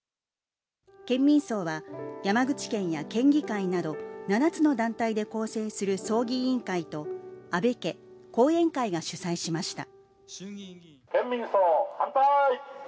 県民葬は、山口県や県議会など、７つの団体で構成する葬儀委員会と、安倍家、後援会が主催しました。